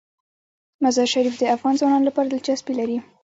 مزارشریف د افغان ځوانانو لپاره دلچسپي لري.